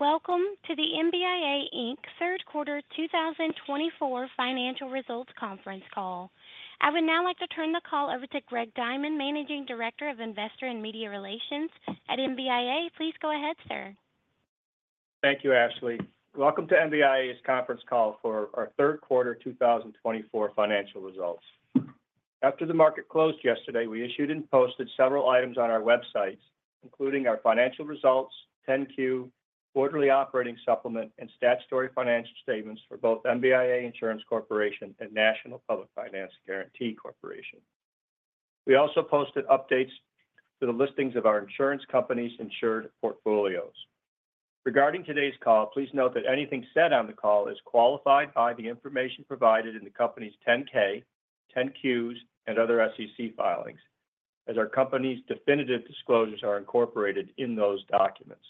Welcome to the MBIA Inc. Third Quarter 2024 Financial Results Conference Call. I would now like to turn the call over to Greg Diamond, Managing Director of Investor and Media Relations at MBIA. Please go ahead, sir. Thank you, Ashley. Welcome to MBIA's conference call for our Third Quarter 2024 financial results. After the market closed yesterday, we issued and posted several items on our website, including our financial results, 10-Q, quarterly operating supplement, and statutory financial statements for both MBIA Insurance Corporation and National Public Finance Guarantee Corporation. We also posted updates to the listings of our insurance companies' insured portfolios. Regarding today's call, please note that anything said on the call is qualified by the information provided in the company's 10-K, 10-Qs, and other SEC filings, as our company's definitive disclosures are incorporated in those documents.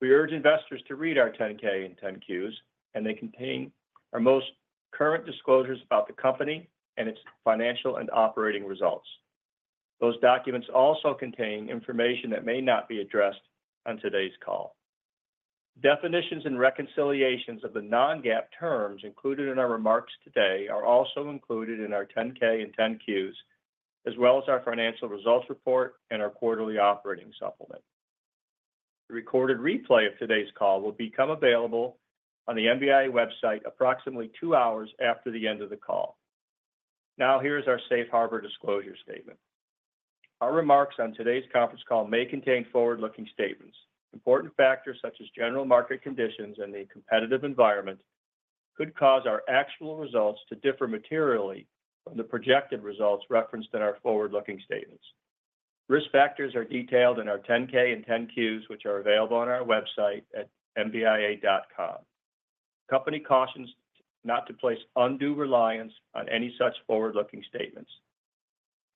We urge investors to read our 10-K and 10-Qs, and they contain our most current disclosures about the company and its financial and operating results. Those documents also contain information that may not be addressed on today's call. Definitions and reconciliations of the non-GAAP terms included in our remarks today are also included in our 10-K and 10-Qs, as well as our financial results report and our quarterly operating supplement. The recorded replay of today's call will become available on the MBIA website approximately two hours after the end of the call. Now, here is our Safe Harbor Disclosure Statement. Our remarks on today's conference call may contain forward-looking statements. Important factors such as general market conditions and the competitive environment could cause our actual results to differ materially from the projected results referenced in our forward-looking statements. Risk factors are detailed in our 10-K and 10-Qs, which are available on our website at mbia.com. The Company cautions not to place undue reliance on any such forward-looking statements.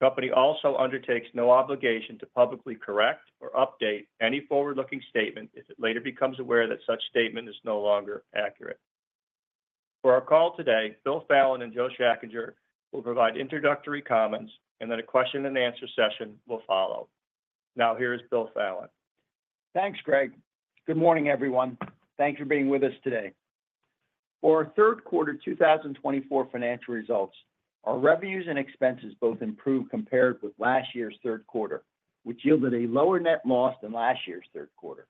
Company also undertakes no obligation to publicly correct or update any forward-looking statement if it later becomes aware that such statement is no longer accurate. For our call today, Bill Fallon and Joe Schachinger will provide introductory comments, and then a question-and-answer session will follow. Now, here is Bill Fallon. Thanks, Greg. Good morning, everyone. Thanks for being with us today. For our Third Quarter 2024 financial results, our revenues and expenses both improved compared with last year's Third Quarter, which yielded a lower net loss than last year's Third Quarter.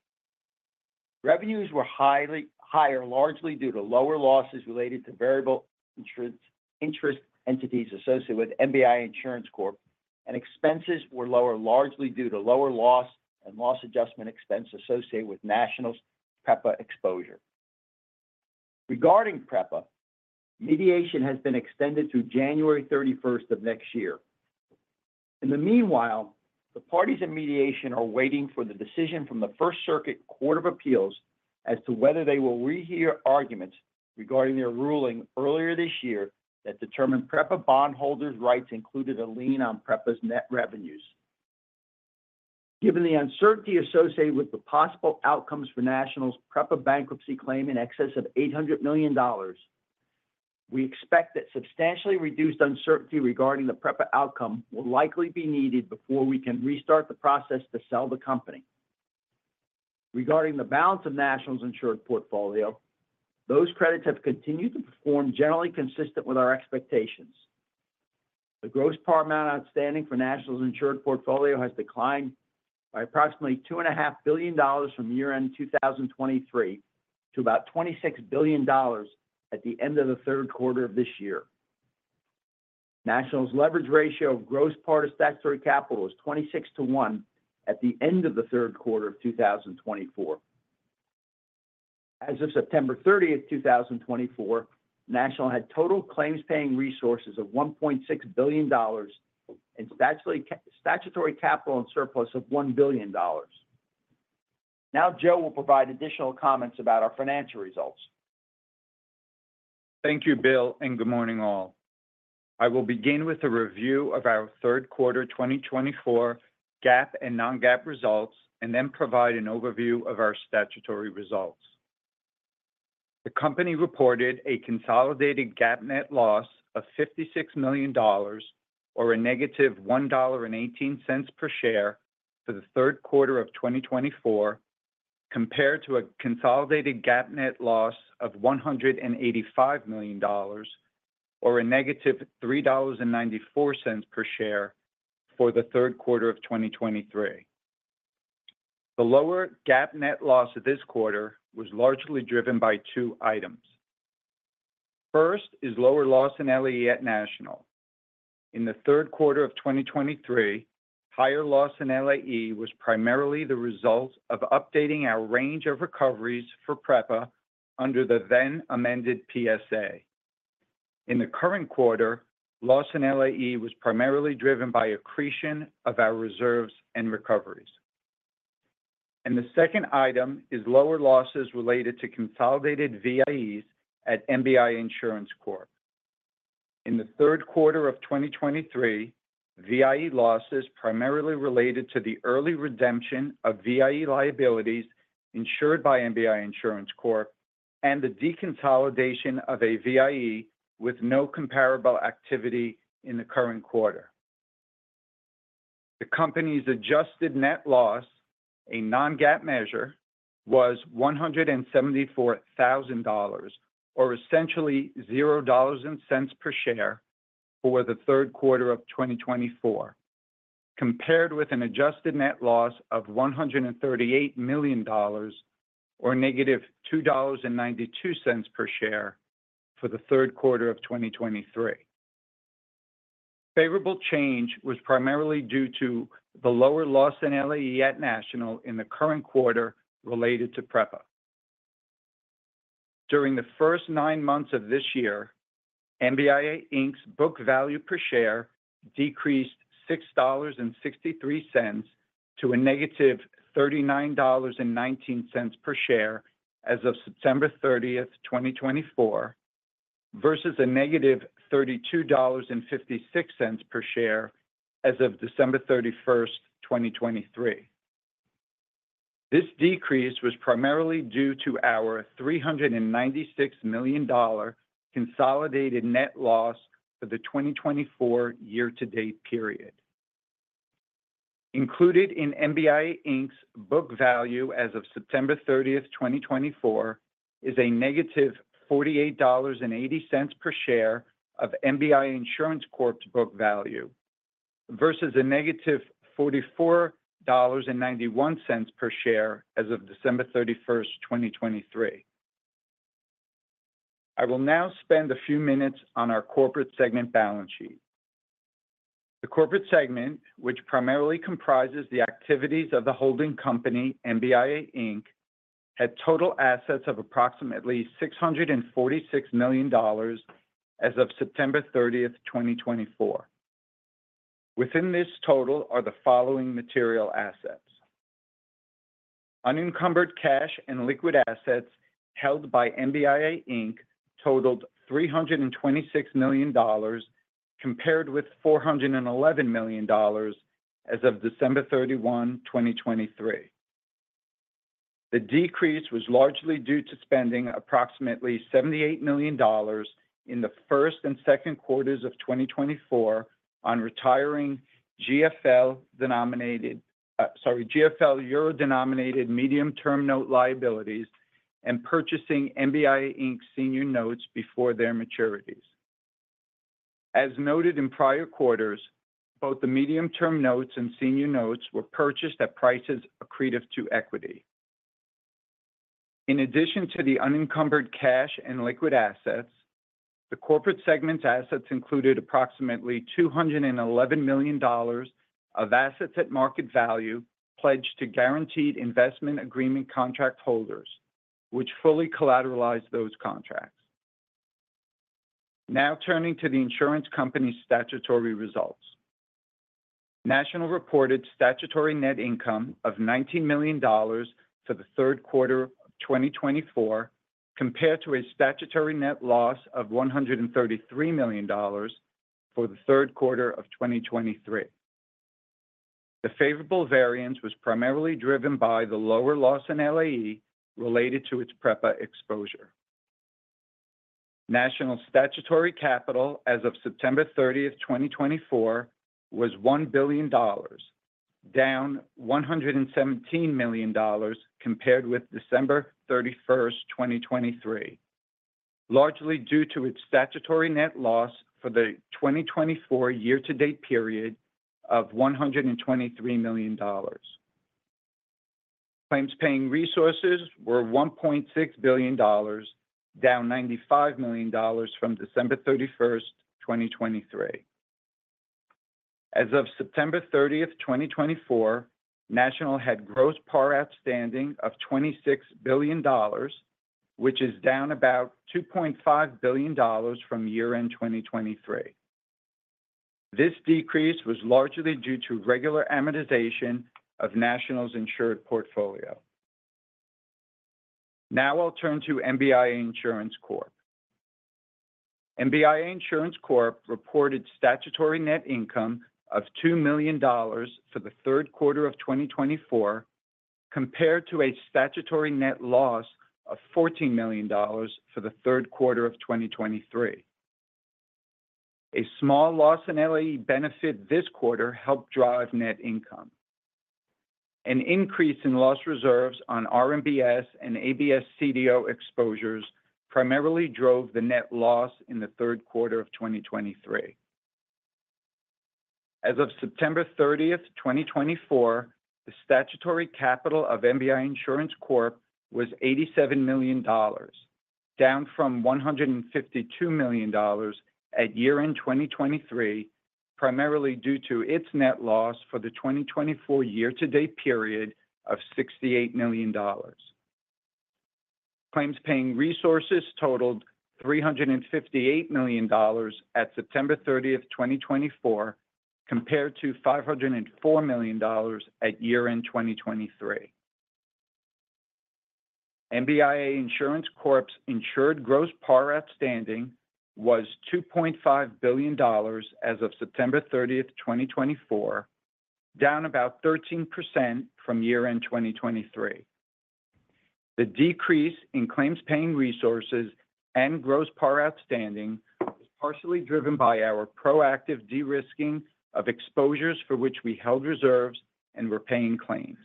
Revenues were higher largely due to lower losses related to variable interest entities associated with MBIA Insurance Corp, and expenses were lower largely due to lower loss and loss adjustment expense associated with National's PREPA exposure. Regarding PREPA, mediation has been extended through January 31st of next year. In the meanwhile, the parties in mediation are waiting for the decision from the First Circuit Court of Appeals as to whether they will rehear arguments regarding their ruling earlier this year that determined PREPA bondholders' rights included a lien on PREPA's net revenues. Given the uncertainty associated with the possible outcomes for National's PREPA bankruptcy claim in excess of $800 million, we expect that substantially reduced uncertainty regarding the PREPA outcome will likely be needed before we can restart the process to sell the company. Regarding the balance of National's insured portfolio, those credits have continued to perform generally consistent with our expectations. The gross par amount outstanding for National's insured portfolio has declined by approximately $2.5 billion from year-end 2023 to about $26 billion at the end of the Third Quarter of this year. National's leverage ratio of gross par to statutory capital was 26 to 1 at the end of the Third Quarter of 2024. As of September 30th, 2024, National had total claims-paying resources of $1.6 billion and statutory capital and surplus of $1 billion. Now, Joe will provide additional comments about our financial results. Thank you, Bill, and good morning, all. I will begin with a review of our Third Quarter 2024 GAAP and non-GAAP results and then provide an overview of our statutory results. The company reported a consolidated GAAP net loss of $56 million, or a negative $1.18 per share for the Third Quarter of 2024, compared to a consolidated GAAP net loss of $185 million, or a negative $3.94 per share for the Third Quarter of 2023. The lower GAAP net loss of this quarter was largely driven by two items. First is lower Loss and LAE at National. In the Third Quarter of 2023, higher Loss and LAE was primarily the result of updating our range of recoveries for PREPA under the then-amended PSA. In the current quarter, Loss and LAE was primarily driven by accretion of our reserves and recoveries. And the second item is lower losses related to consolidated VIEs at MBIA Insurance Corp. In the Third Quarter of 2023, VIE losses primarily related to the early redemption of VIE liabilities insured by MBIA Insurance Corp and the deconsolidation of a VIE with no comparable activity in the current quarter. The company's adjusted net loss, a non-GAAP measure, was $174,000, or essentially $0.00 per share for the Third Quarter of 2024, compared with an adjusted net loss of $138 million, or negative $2.92 per share for the Third Quarter of 2023. Favorable change was primarily due to the lower loss and LAE at National in the current quarter related to PREPA. During the first nine months of this year, MBIA Inc.'s book value per share decreased $6.63 to a negative $39.19 per share as of September 30th, 2024, versus a negative $32.56 per share as of December 31st, 2023. This decrease was primarily due to our $396 million consolidated net loss for the 2024 year-to-date period. Included in MBIA Inc.'s book value as of September 30th, 2024, is a negative $48.80 per share of MBIA Insurance Corporation's book value versus a negative $44.91 per share as of December 31st, 2023. I will now spend a few minutes on our corporate segment balance sheet. The corporate segment, which primarily comprises the activities of the holding company, MBIA Inc., had total assets of approximately $646 million as of September 30th, 2024. Within this total are the following material assets: unencumbered cash and liquid assets held by MBIA Inc. totaled $326 million, compared with $411 million as of December 31, 2023. The decrease was largely due to spending approximately $78 million in the first and second quarters of 2024 on retiring GFL Euro-denominated medium-term note liabilities and purchasing MBIA Inc. Senior notes before their maturities. As noted in prior quarters, both the medium-term notes and senior notes were purchased at prices accretive to equity. In addition to the unencumbered cash and liquid assets, the corporate segment's assets included approximately $211 million of assets at market value pledged to guaranteed investment agreement contract holders, which fully collateralized those contracts. Now, turning to the insurance company's statutory results. National reported statutory net income of $19 million for the Third Quarter of 2024 compared to a statutory net loss of $133 million for the Third Quarter of 2023. The favorable variance was primarily driven by the lower loss and LAE related to its PREPA exposure. National's statutory capital as of September 30th, 2024, was $1 billion, down $117 million compared with December 31st, 2023, largely due to its statutory net loss for the 2024 year-to-date period of $123 million. Claims-paying resources were $1.6 billion, down $95 million from December 31st, 2023. As of September 30th, 2024, National had gross par outstanding of $26 billion, which is down about $2.5 billion from year-end 2023. This decrease was largely due to regular amortization of National's insured portfolio. Now, I'll turn to MBIA Insurance Corporation. MBIA Insurance Corporation reported statutory net income of $2 million for the third quarter of 2024 compared to a statutory net loss of $14 million for the third quarter of 2023. A small loss and LAE benefit this quarter helped drive net income. An increase in loss reserves on RMBS and ABS/CDO exposures primarily drove the net loss in the third quarter of 2023. As of September 30th, 2024, the statutory capital of MBIA Insurance Corp was $87 million, down from $152 million at year-end 2023, primarily due to its net loss for the 2024 year-to-date period of $68 million. Claims-paying resources totaled $358 million at September 30th, 2024, compared to $504 million at year-end 2023. MBIA Insurance Corp's insured gross par outstanding was $2.5 billion as of September 30th, 2024, down about 13% from year-end 2023. The decrease in claims-paying resources and gross par outstanding was partially driven by our proactive de-risking of exposures for which we held reserves and were paying claims.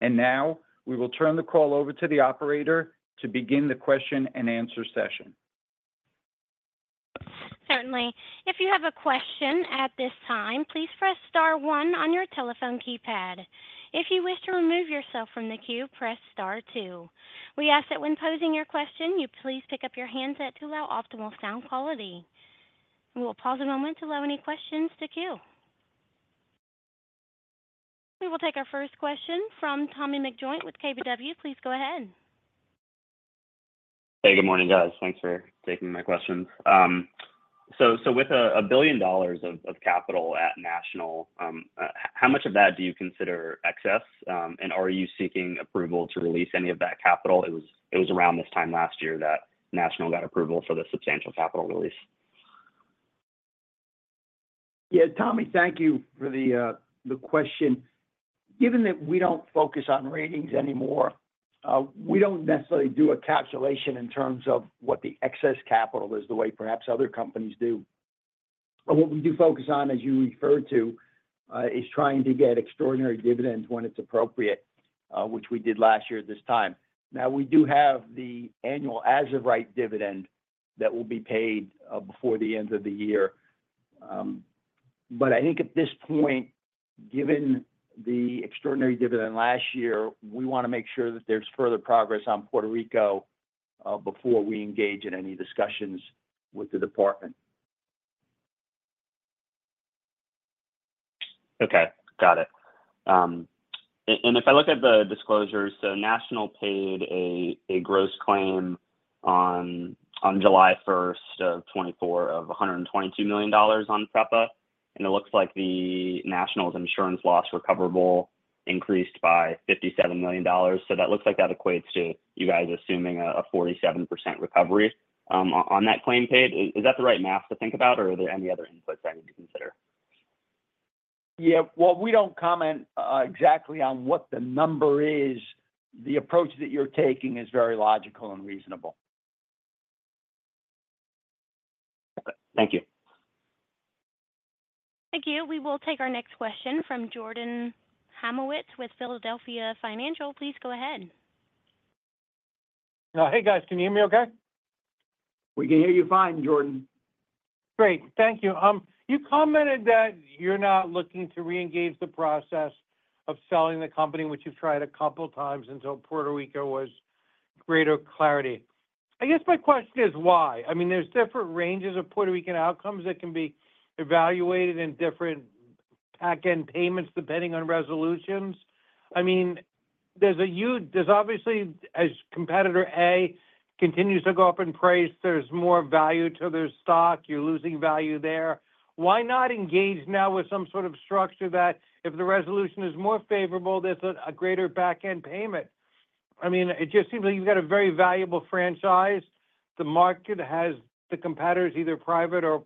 And now, we will turn the call over to the operator to begin the question-and-answer session. Certainly. If you have a question at this time, please press Star 1 on your telephone keypad. If you wish to remove yourself from the queue, press Star 2. We ask that when posing your question, you please pick up your handset to avoid suboptimal sound quality. We will pause a moment to allow any questions to queue. We will take our first question from Tommy McJoynt with KBW. Please go ahead. Hey, good morning, guys. Thanks for taking my questions. So with $1 billion of capital at National, how much of that do you consider excess? And are you seeking approval to release any of that capital? It was around this time last year that National got approval for the substantial capital release. Yeah, Tommy, thank you for the question. Given that we don't focus on ratings anymore, we don't necessarily do a calculation in terms of what the excess capital is the way perhaps other companies do. But what we do focus on, as you referred to, is trying to get extraordinary dividends when it's appropriate, which we did last year at this time. Now, we do have the annual as-of-right dividend that will be paid before the end of the year. But I think at this point, given the extraordinary dividend last year, we want to make sure that there's further progress on Puerto Rico before we engage in any discussions with the department. Okay. Got it. And if I look at the disclosures, so National paid a gross claim on July 1st of 2024 of $122 million on PREPA. And it looks like the National's insurance loss recoverable increased by $57 million. So that looks like that equates to you guys assuming a 47% recovery on that claim paid. Is that the right math to think about, or are there any other inputs I need to consider? Yeah. While we don't comment exactly on what the number is, the approach that you're taking is very logical and reasonable. Got it. Thank you. Thank you. We will take our next question from Jordan Hymowitz with Philadelphia Financial. Please go ahead. Hey, guys. Can you hear me okay? We can hear you fine, Jordan. Great. Thank you. You commented that you're not looking to re-engage the process of selling the company, which you've tried a couple of times until Puerto Rico has greater clarity. I guess my question is why? I mean, there's different ranges of Puerto Rican outcomes that can be evaluated in different payback and payments depending on resolutions. I mean, there's obviously, as competitor A continues to go up in price, there's more value to their stock. You're losing value there. Why not engage now with some sort of structure that if the resolution is more favorable, there's a greater back-end payment? I mean, it just seems like you've got a very valuable franchise. The market values the competitors, either private or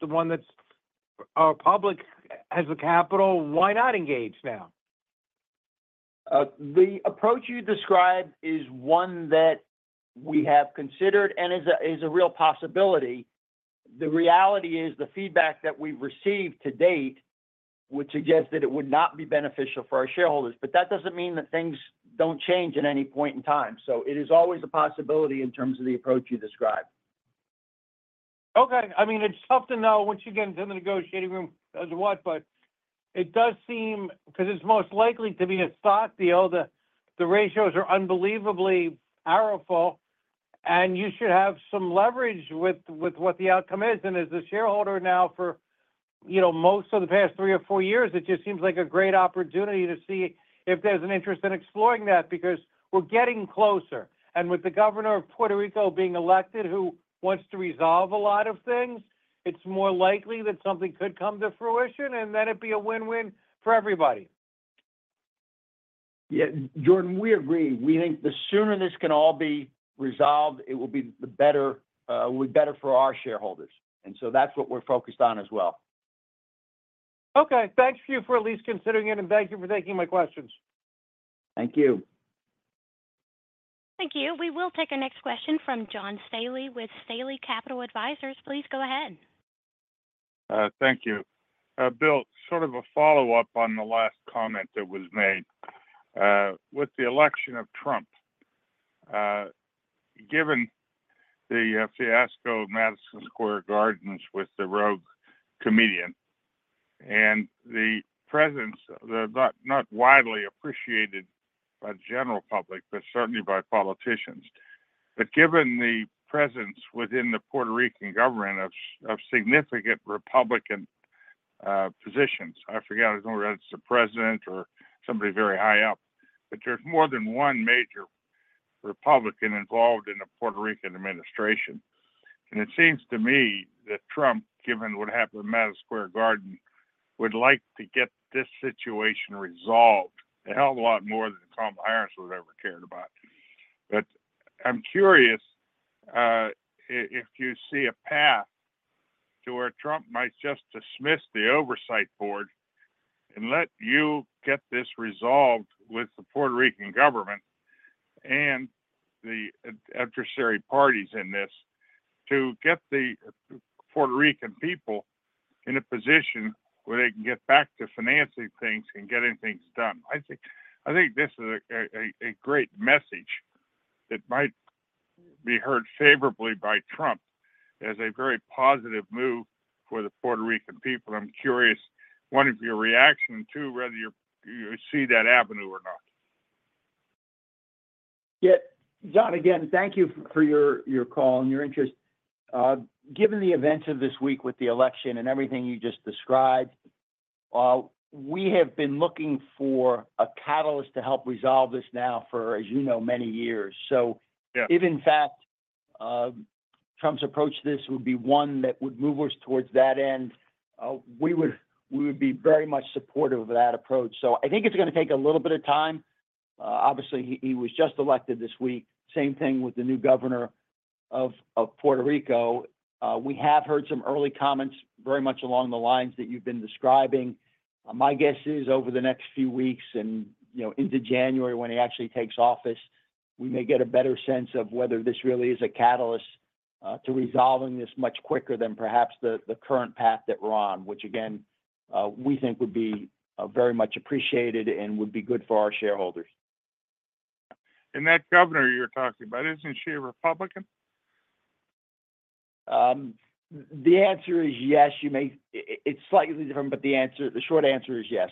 the one that's public has the capital. Why not engage now? The approach you described is one that we have considered and is a real possibility. The reality is the feedback that we've received to date would suggest that it would not be beneficial for our shareholders. But that doesn't mean that things don't change at any point in time. So it is always a possibility in terms of the approach you described. Okay. I mean, it's tough to know once you get into the negotiating room as it was, but it does seem because it's most likely to be a stock deal, the ratios are unbelievably powerful, and you should have some leverage with what the outcome is. And as a shareholder now for most of the past three or four years, it just seems like a great opportunity to see if there's an interest in exploring that because we're getting closer. And with the governor of Puerto Rico being elected, who wants to resolve a lot of things, it's more likely that something could come to fruition, and then it'd be a win-win for everybody. Yeah. Jordan, we agree. We think the sooner this can all be resolved, it will be better for our shareholders, and so that's what we're focused on as well. Okay. Thanks for at least considering it, and thank you for taking my questions. Thank you. Thank you. We will take our next question from John Staley with Staley Capital Advisers. Please go ahead. Thank you. Bill, sort of a follow-up on the last comment that was made with the election of Trump. Given the fiasco of Madison Square Garden with the rogue comedian and the presence not widely appreciated by the general public, but certainly by politicians, but given the presence within the Puerto Rican government of significant Republican positions, I forget who's the president or somebody very high up, but there's more than one major Republican involved in the Puerto Rican administration, and it seems to me that Trump, given what happened in Madison Square Garden, would like to get this situation resolved a hell of a lot more than Kamala Harris would have ever cared about. But I'm curious if you see a path to where Trump might just dismiss the oversight board and let you get this resolved with the Puerto Rican government and the adversary parties in this to get the Puerto Rican people in a position where they can get back to financing things and getting things done. I think this is a great message that might be heard favorably by Trump as a very positive move for the Puerto Rican people. I'm curious one of your reactions to whether you see that avenue or not. Yeah. John, again, thank you for your call and your interest. Given the events of this week with the election and everything you just described, we have been looking for a catalyst to help resolve this now for, as you know, many years. So if, in fact, Trump's approach to this would be one that would move us towards that end, we would be very much supportive of that approach. So I think it's going to take a little bit of time. Obviously, he was just elected this week. Same thing with the new governor of Puerto Rico. We have heard some early comments very much along the lines that you've been describing. My guess is over the next few weeks and into January when he actually takes office, we may get a better sense of whether this really is a catalyst to resolving this much quicker than perhaps the current path that we're on, which, again, we think would be very much appreciated and would be good for our shareholders. That governor you're talking about, isn't she a Republican? The answer is yes. It's slightly different, but the short answer is yes.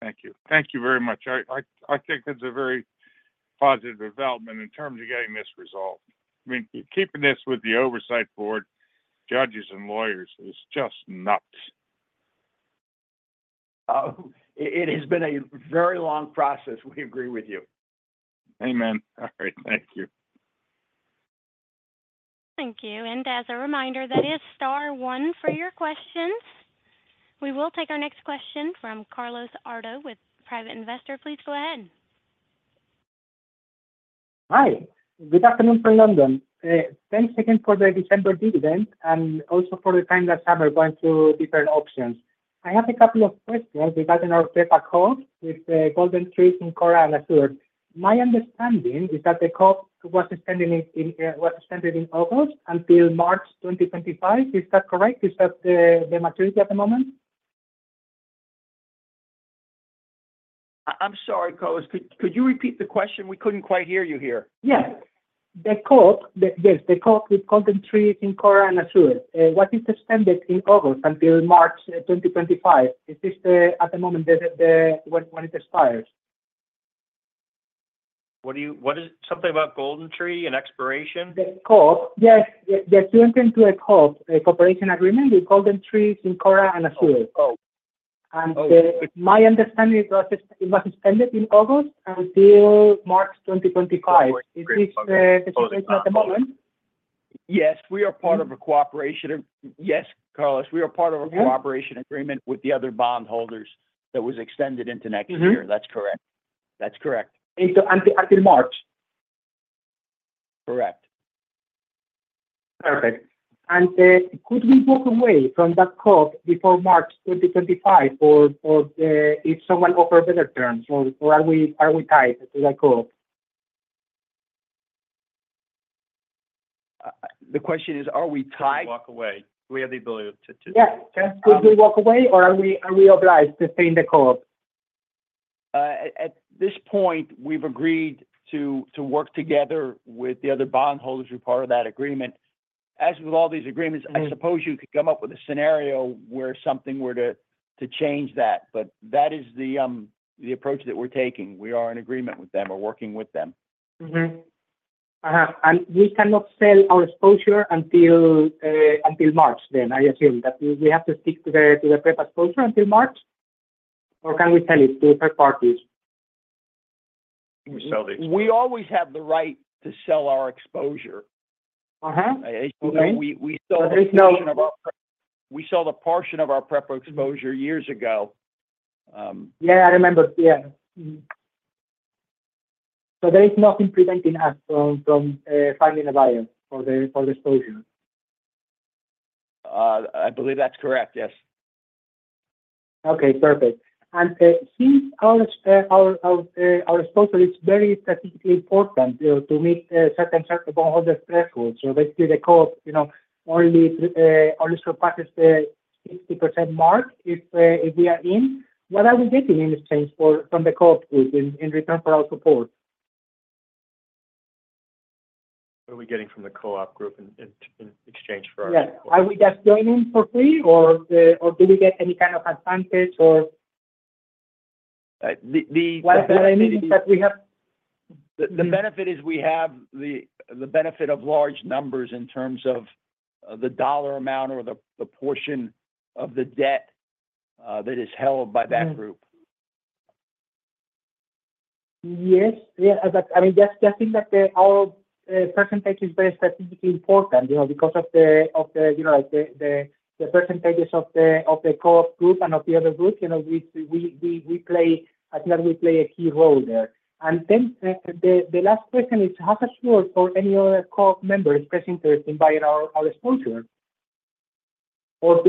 Thank you. Thank you very much. I think it's a very positive development in terms of getting this resolved. I mean, keeping this with the oversight board, judges, and lawyers is just nuts. It has been a very long process. We agree with you. Amen. All right. Thank you. Thank you. And as a reminder, that is Star 1 for your questions. We will take our next question from Carlos Pardo with Private Investor. Please go ahead. Hi. Good afternoon from London. Thanks again for the December dividend and also for the time last summer going through different options. I have a couple of questions regarding our PREPA Co-op with GoldenTree and Syncora and Assured. My understanding is that the Co-op was extended in August until March 2025. Is that correct? Is that the maturity at the moment? I'm sorry, Carlos. Could you repeat the question? We couldn't quite hear you here. Yes. The Co-op, yes, the Co-op with GoldenTree and Syncora and Assured, what is extended in August until March 2025? Is this at the moment when it expires? What is something about GoldenTree and expiration? The Co-op, yes. They're still into a Co-op, a cooperation agreement with GoldenTree and Syncora and Assured. And my understanding is it was extended in August until March 2025. Is this the situation at the moment? Yes. We are part of a cooperation. Yes, Carlos, we are part of a cooperation agreement with the other bondholders that was extended into next year. That's correct. That's correct. Until March. Correct. Perfect. And could we walk away from that Co-op before March 2025 if someone offers better terms? Or are we tied to that Co-op? The question is, are we tied? Could we walk away? Do we have the ability to? Yes. Could we walk away, or are we obliged to stay in the Co-op? At this point, we've agreed to work together with the other bondholders who are part of that agreement. As with all these agreements, I suppose you could come up with a scenario where something were to change that. But that is the approach that we're taking. We are in agreement with them or working with them. We cannot sell our exposure until March then, I assume. We have to stick to the PREPA exposure until March? Can we sell it to third parties? We always have the right to sell our exposure. We sold a portion of our PREPA exposure years ago. Yeah. I remember. Yeah. So there is nothing preventing us from finding a buyer for the exposure. I believe that's correct. Yes. Okay. Perfect. And since our exposure is very strategically important to meet certain bondholders' thresholds, so basically the Co-op only surpasses the 60% mark if we are in, what are we getting in exchange from the co-op group in return for our support? What are we getting from the Co-op group in exchange for our support? Yeah. Are we just joining for free, or do we get any kind of advantage or? The benefit is we have the benefit of large numbers in terms of the dollar amount or the portion of the debt that is held by that group. Yes. I mean, just think that our percentage is very strategically important because of the percentages of the Co-op group and of the other group. I think that we play a key role there. And then the last question is, has it worked for any other co-op members' expressed interest in buying our exposure or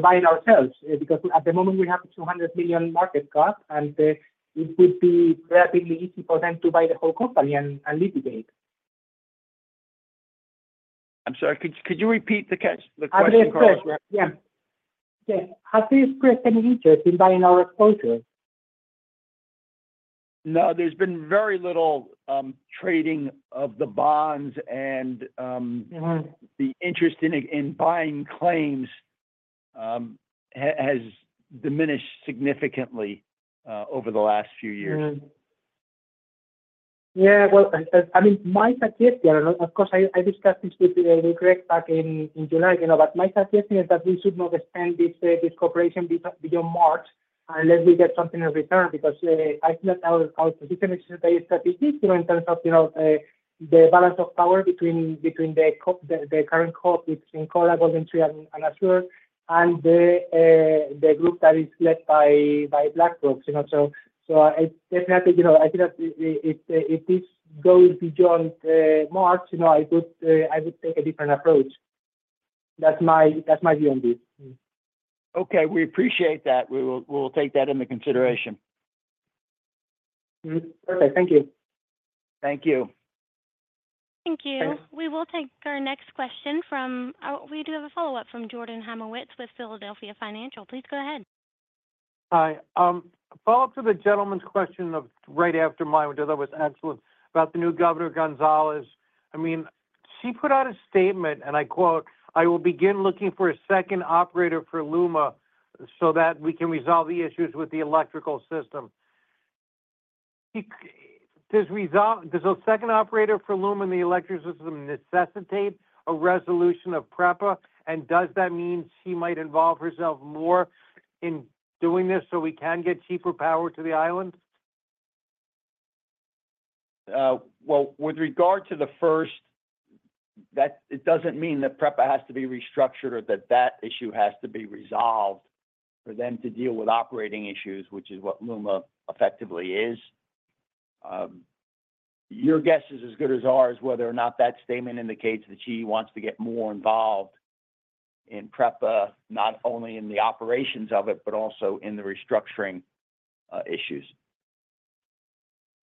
buying ourselves? Because at the moment, we have a $200 million market cap, and it would be relatively easy for them to buy the whole company and litigate. I'm sorry. Could you repeat the question, Carlos? I didn't finish. Yeah. Yeah. Has this expressed any interest in buying our exposure? No. There's been very little trading of the bonds, and the interest in buying claims has diminished significantly over the last few years. Yeah. Well, I mean, my suggestion of course, I discussed this with Greg back in July, but my suggestion is that we should not extend this cooperation beyond March unless we get something in return because I think that our position is very strategic in terms of the balance of power between the current Co-op with Syncora, GoldenTree, and Assured, and the group that is led by BlackRock. So definitely, I think that if this goes beyond March, I would take a different approach. That's my view on this. Okay. We appreciate that. We will take that into consideration. Perfect. Thank you. Thank you. Thank you. We will take our next question from. We do have a follow-up from Jordan Hymowitz with Philadelphia Financial. Please go ahead. Hi. Follow-up to the gentleman's question right after mine, which I thought was excellent, about the new governor, González-Colón. I mean, she put out a statement, and I quote, "I will begin looking for a second operator for LUMA so that we can resolve the issues with the electrical system." Does a second operator for LUMA and the electric system necessitate a resolution of PREPA? And does that mean she might involve herself more in doing this so we can get cheaper power to the islands? With regard to the first, it doesn't mean that PREPA has to be restructured or that that issue has to be resolved for them to deal with operating issues, which is what LUMA effectively is. Your guess is as good as ours whether or not that statement indicates that she wants to get more involved in PREPA, not only in the operations of it, but also in the restructuring issues.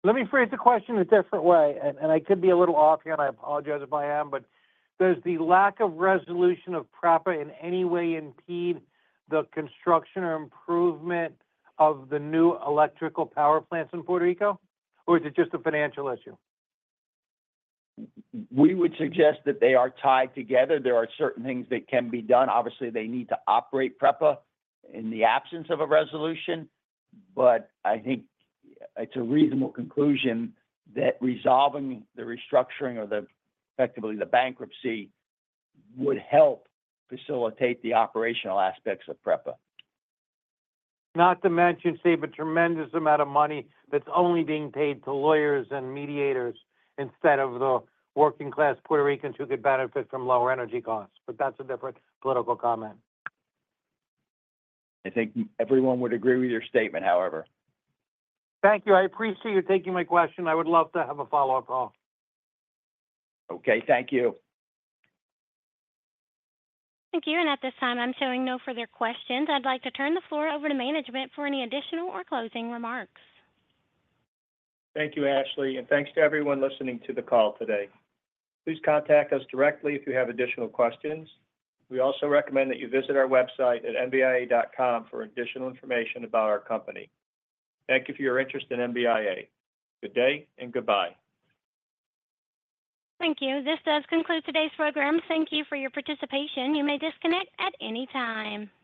Let me phrase the question a different way, and I could be a little off here, and I apologize if I am, but does the lack of resolution of PREPA in any way impede the construction or improvement of the new electrical power plants in Puerto Rico? Or is it just a financial issue? We would suggest that they are tied together. There are certain things that can be done. Obviously, they need to operate PREPA in the absence of a resolution, but I think it's a reasonable conclusion that resolving the restructuring or effectively the bankruptcy would help facilitate the operational aspects of PREPA. Not to mention save a tremendous amount of money that's only being paid to lawyers and mediators instead of the working-class Puerto Ricans who could benefit from lower energy costs. But that's a different political comment. I think everyone would agree with your statement, however. Thank you. I appreciate you taking my question. I would love to have a follow-up call. Okay. Thank you. Thank you. And at this time, I'm showing no further questions. I'd like to turn the floor over to management for any additional or closing remarks. Thank you, Ashley. And thanks to everyone listening to the call today. Please contact us directly if you have additional questions. We also recommend that you visit our website at mbia.com for additional information about our company. Thank you for your interest in MBIA. Good day and goodbye. Thank you. This does conclude today's program. Thank you for your participation. You may disconnect at any time.